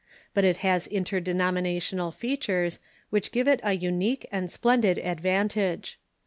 But it has interde nominational features which give it a unique and splendid advantage.